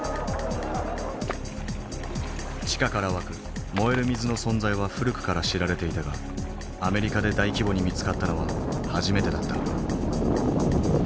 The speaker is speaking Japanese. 地下から湧く燃える水の存在は古くから知られていたがアメリカで大規模に見つかったのは初めてだった。